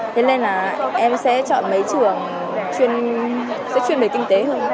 thế nên là em sẽ chọn mấy trường chuyên về kinh tế hơn